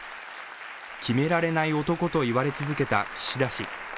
決められない男と言われ続けた岸田氏。